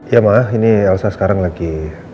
ya mah ini elsa sekarang lagi